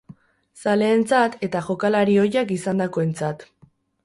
Zaleentzat eta jokalari ohiak izandakoentzat.